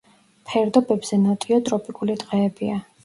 ფერდობებზე ნოტიო ტროპიკული ტყეებია.